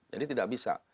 jadi tidak bisa